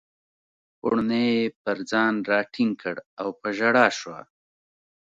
پوړنی یې پر ځان راټینګ کړ او په ژړا شوه.